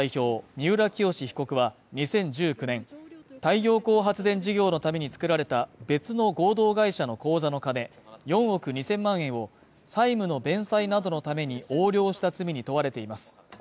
三浦清志被告は２０１９年太陽光発電事業のために作られた別の合同会社の口座の金、４億２０００万円を債務の弁済などのために横領した罪に問われています。